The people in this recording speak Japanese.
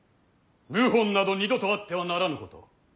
謀反など二度とあってはならぬこと。